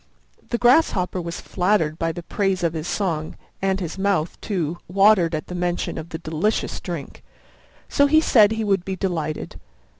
The Grasshopper was flattered by the praise of his song, and his mouth, too, watered at the mention of the delicious drink, so he said he would be delighted.